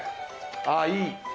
あっいい！